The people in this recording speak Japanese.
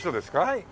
はい。